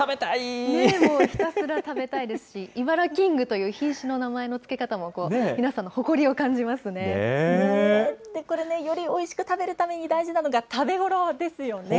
もうひたすら食べたいですし、イバラキングという品種の名前の付け方も、皆さんの誇りを感じまよりおいしく食べるために大事なのが、食べ頃ですよね。